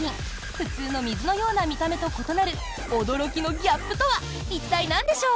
普通の水のような見た目と異なる驚きのギャップとは一体なんでしょう。